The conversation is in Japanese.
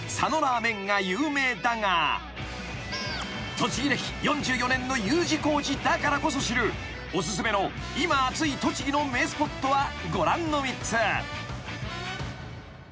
［栃木歴４４年のＵ字工事だからこそ知るお薦めの今熱い栃木の名スポットはご覧の３つ］